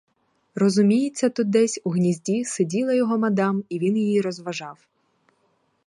Розуміється, тут десь, у гнізді, сиділа його мадам, і він її розважав.